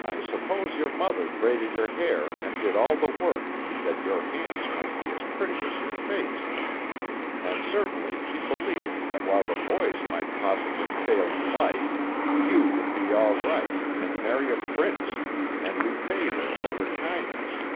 I suppose your mother braided your hair, and did all the work, that your hands might be as pretty as your face; and certainly she believed that while the boys might possibly fail in life, you would be all right, and marry a prince, and repay her for her kindness.